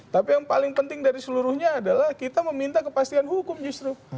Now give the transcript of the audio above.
tapi yang paling penting dari seluruhnya adalah kita meminta kepastian hukum justru